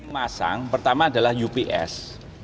masang pertama adalah ups